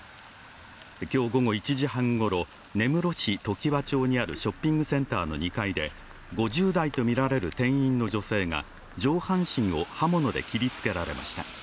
今日午後１時半ごろ、根室市根室市常盤町にあるショッピングセンターの２階で５０代とみられる店員の女性が上半身を刃物で切りつけられました。